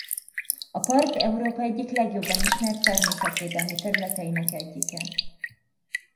A park Európa egyik legjobban ismert természetvédelmi területeinek egyike.